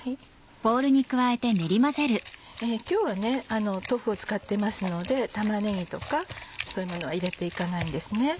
今日は豆腐を使ってますので玉ねぎとかそういうものは入れていかないんですね。